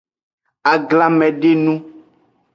Aglanmedenu.